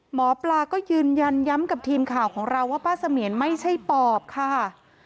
หมอปลาก็ยืนยันย้ำกับทีมข่าวของเราว่าป้าเสมียนไม่ใช่ปอบค่ะ